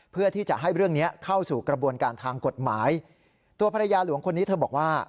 เพื่อที่จะให้เรื่องเนี้ยเข้าสู่กระบวนการทางกฎหมายตัวภรรยาหลวงคนนี้เธอบอกว่า